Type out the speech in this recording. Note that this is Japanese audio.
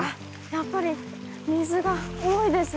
やっぱり水が多いですね。